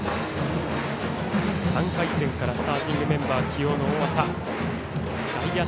３回戦からスターティングメンバー起用の大麻。